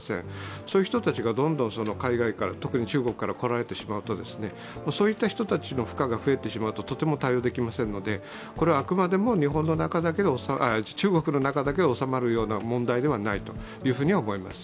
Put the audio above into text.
そういう人たちが海外から特に中国から来られてしまうと、そういう人たちの負荷が増えてしまうととても対応できませんので、あくまでも中国の中だけで収まるような問題ではないと思います。